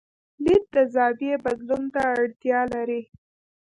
لید د زاویې بدلون ته اړتیا لري.